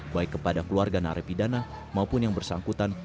baik kepada keluarga narapidana maupun yang bersangkutan